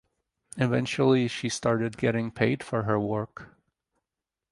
Eventually she started getting paid for her work.